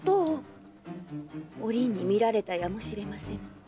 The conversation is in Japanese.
おりんに見られたやもしれません。